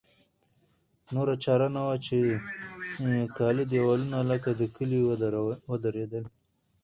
نوره چاره نه وه چې کاله دېوالونه لکه د کلي ودرېدل.